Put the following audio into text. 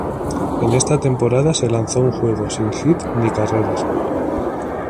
En esta temporada se lanzó un juego sin hit ni carreras.